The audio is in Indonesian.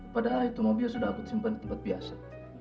padahal itu mobil sudah aku simpan di tempat biasa